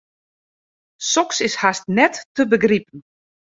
Soks is hast net te begripen.